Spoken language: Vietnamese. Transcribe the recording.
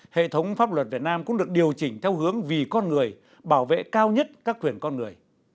hệ thống pháp luật việt nam cũng được điều chỉnh theo hướng vì con người bảo vệ cao nhất các quyền con người